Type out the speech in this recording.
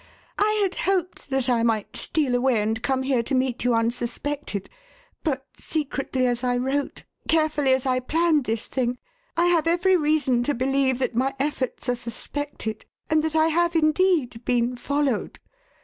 "I had hoped that I might steal away and come here to meet you unsuspected. But, secretly as I wrote, carefully as I planned this thing, I have every reason to believe that my efforts are suspected and that I have, indeed, been followed.